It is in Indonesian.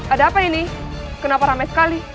ada apa ini kenapa rame sekali